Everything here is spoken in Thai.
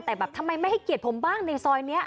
แต่แบบทำไมไม่ให้เกียรติผมบ้างในซอยนี้